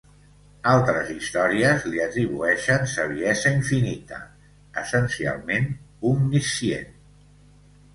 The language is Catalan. Altres històries li atribueixen saviesa infinita, essencialment omniscient.